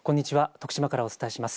徳島からお伝えします。